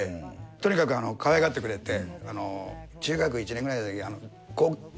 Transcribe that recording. とにかくかわいがってくれて中学１年くらいのときこう。